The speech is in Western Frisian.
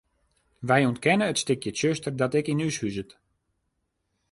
Wy ûntkenne it stikje tsjuster dat ek yn ús huzet.